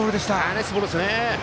ナイスボールですね。